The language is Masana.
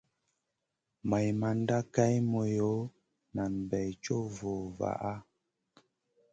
Maimanda Kay moyo nen bey co vo vaha.